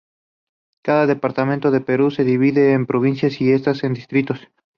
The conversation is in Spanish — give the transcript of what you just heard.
Cada Departamento del Perú se divide en Provincias y estas en Distritos.